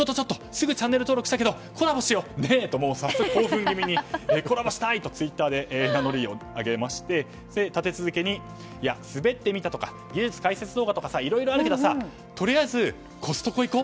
すぐチャンネル登録したけどコラボしよ！とコラボしたいとツイッターで名乗りを上げまして立て続けに、滑ってみたとか技術解説動画とかさいろいろあるけどとりあえずコストコ行こ！